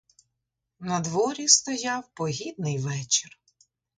Надворі стояв погідний вечір.